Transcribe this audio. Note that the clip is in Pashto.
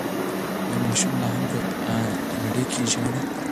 ایا ماشوم لا هم په انړۍ کې ژاړي؟